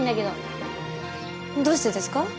どうしてですか？